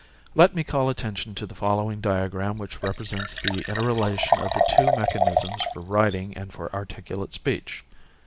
Let me call attention to the following diagram which represents the interrelation of the two mechanisms for writing and for articulate speech.